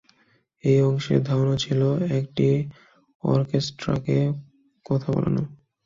এই অংশের ধারণা ছিল "একটি অর্কেস্ট্রাকে কথা বলানো"।